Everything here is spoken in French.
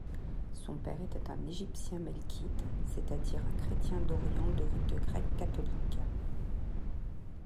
Son père était un Égyptien melkite, c’est-à-dire un chrétien d’Orient de rite grec catholique.